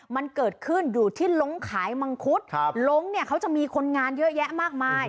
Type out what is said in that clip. มันเกิดขึ้นอยู่ที่ลงขายมังคุดลงเนี่ยเขาจะมีคนงานเยอะแยะมากมาย